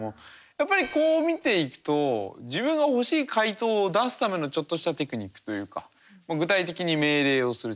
やっぱりこう見ていくと自分が欲しい回答を出すためのちょっとしたテクニックというか具体的に命令をする力